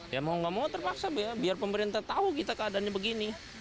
ya mau nggak mau terpaksa biar pemerintah tahu kita keadaannya begini